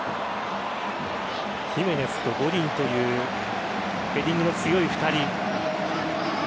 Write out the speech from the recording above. ヒメネスとゴディンというヘディングの強い２人。